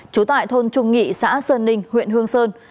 trú tại thôn trung nghị xã sơn ninh huyện hương sơn